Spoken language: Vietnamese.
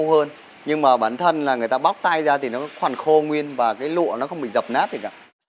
nó khô hơn nhưng mà bản thân là người ta bóc tay ra thì nó khoảng khô nguyên và cái lụa nó không bị dập nát gì cả